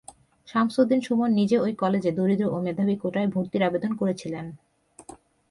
শামসুদ্দিন সুমন নিজে ওই কলেজে দরিদ্র ও মেধাবী কোটায় ভর্তির আবেদন করেছিলেন।